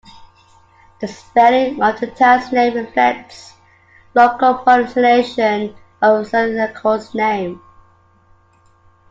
The spelling of the town's name reflects local pronunciation of Scherneckau's name.